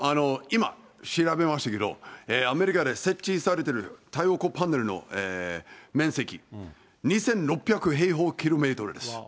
今、調べましたけど、アメリカで設置されてる太陽光パネルの面積、２６００平方キロメートルです。